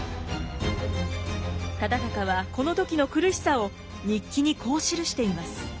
忠敬はこの時の苦しさを日記にこう記しています。